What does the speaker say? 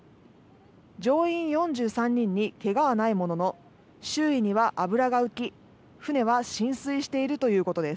乗員４３人にけがはないものの周囲には油が浮き、船は浸水しているということです。